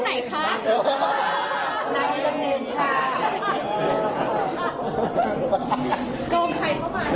ถามจากช่องไหนคะ